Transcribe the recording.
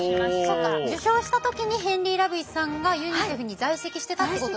そっか受賞した時にヘンリー・ラブイスさんがユニセフに在籍してたってことですね。